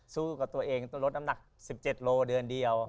สู้กับตัวเองต้องลดน้ำหนัก๑๗โลเดือนเดียว